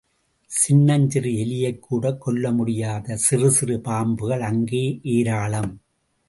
சின்னஞ் சிறு எலியைக்கூடக் கொல்லமுடியாத சிறுசிறு பாம்புகள் அங்கே ஏராளம்.